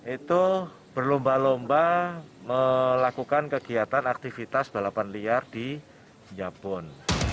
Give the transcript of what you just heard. itu berlomba lomba melakukan kegiatan aktivitas balapan liar di jabon